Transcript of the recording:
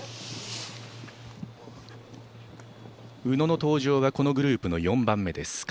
宇野の登場はこのグループの４番目です。